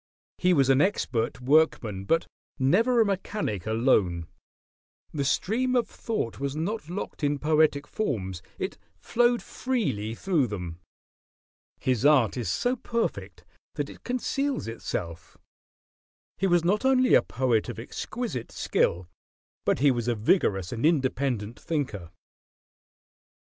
He was an expert workman; but never a mechanic alone. The stream of thought was not locked in poetic forms: it flowed freely through them. His art is so perfect that it conceals itself. He was not only a poet of exquisite skill, but he was a vigorous and independent thinker.